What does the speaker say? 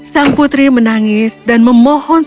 sang putri menangis dan memohon